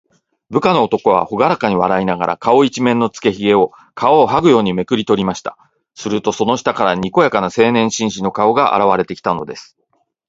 部下の男は、ほがらかに笑いながら、顔いちめんのつけひげを、皮をはぐようにめくりとりました。すると、その下から、にこやかな青年紳士の顔があらわれてきたのです。